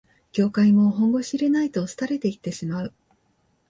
業界も本腰入れないと廃れていってしまう